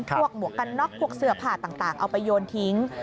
หมวกกันน็อกพวกเสื้อผ้าต่างเอาไปโยนทิ้ง